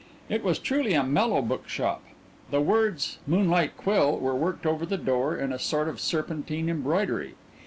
It was truly a mellow bookshop. The words "Moonlight Quill" were worked over the door in a sort of serpentine embroidery.